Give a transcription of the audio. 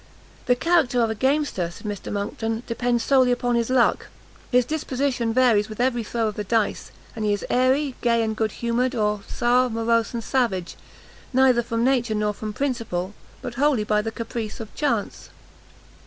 "The character of a gamester," said Mr Monckton, "depends solely upon his luck; his disposition varies with every throw of the dice, and he is airy, gay and good humoured, or sour, morose and savage, neither from nature nor from principle, but wholly by the caprice of chance."